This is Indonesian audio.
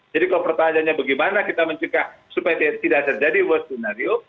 jadi kalau pertanyaannya bagaimana kita mencari supaya tidak terjadi worst senario